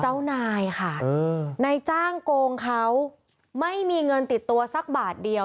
เจ้านายค่ะนายจ้างโกงเขาไม่มีเงินติดตัวสักบาทเดียว